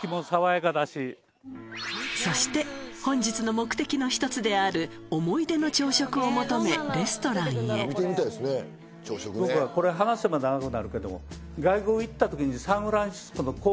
そして本日の目的の１つである思い出の朝食を求めレストランへ僕はこれ話せば長くなるけども外国行った時に。